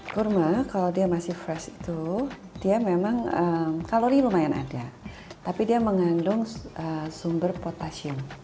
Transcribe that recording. kurma kalau dia masih fresh itu dia memang kalori lumayan ada tapi dia mengandung sumber potasium